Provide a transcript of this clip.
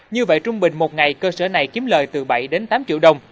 như vậy trung bình một ngày cơ sở này kiếm lời từ bảy đến tám triệu đồng